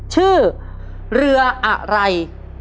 ชื่อเรืออะไร